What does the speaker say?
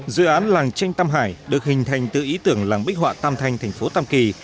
dự án làng tranh tam hải được hình thành từ ý tưởng làng bích họa tam thanh thành phố tam kỳ